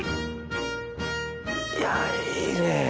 いやいいね。